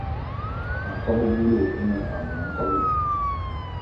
Nkobô bulu ô ne abeng nkobo.